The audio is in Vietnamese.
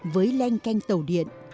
với len canh tàu điện